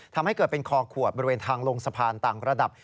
ทำให้เกิดเป็นคอขวดบริเวณทางลงสะพานต่างระดับ